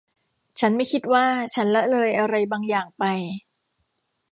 ฉันไม่คิดว่าฉันละเลยอะไรบางอย่างไป